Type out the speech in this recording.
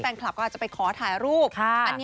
แฟนคลับก็อาจจะไปขอถ่ายรูป